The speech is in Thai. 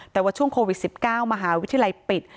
แต่ว่าช่วงโควิด๑๙มหาวิทยาลัยปิด